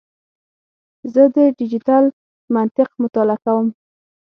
زه د ډیجیټل منطق مطالعه کوم.